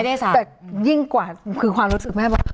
แต่ยิ่งกว่าคือความรู้สึกแม่บอก